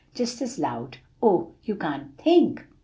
just as loud, oh, you can't think!"